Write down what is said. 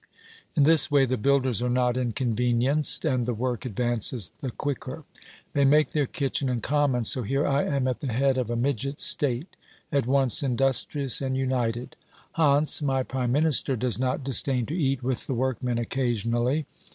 In this way the builders are not OBERMANN 291 inconvenienced, and the work advances the quicker. They make their kitchen in common, so here I am at the head of a midget state, at once industrious and united. Hantz, my prime minister, does not disdain to eat with the work men occasionally.